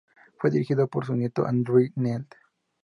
Fue dirigido por su nieto Andrew Neel.